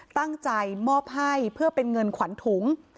ตั้งใจมอบให้เพื่อเป็นเงินขวัญถุง